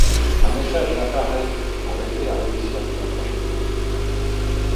Un message apparaît pour l'aider à réussir la prochaine fois.